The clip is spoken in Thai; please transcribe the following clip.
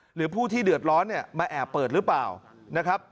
หรือผู้ที่เดือดร้อนมาแอบเปิดหรือเปล่า